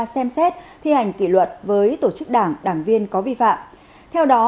xem xét thi hành kỷ luật với tổ chức đảng đảng viên có vi phạm theo đó